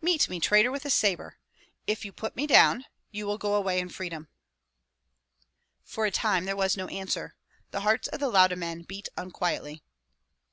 "Meet me, traitor, with a sabre. If you put me down, you will go away in freedom." For a time there was no answer. The hearts of the Lauda men beat unquietly.